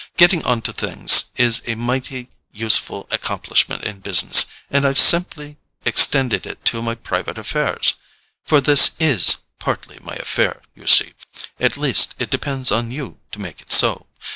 Getting on to things is a mighty useful accomplishment in business, and I've simply extended it to my private affairs. For this IS partly my affair, you see—at least, it depends on you to make it so.